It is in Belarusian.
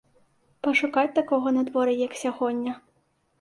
Пашукаць такога надвор'я, як сягоння.